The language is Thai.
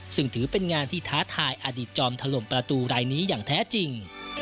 ซึ่งถือเป็นงานที่ท้าทายอดีตจอมถล่มประตูรายนี้อย่างแท้จริง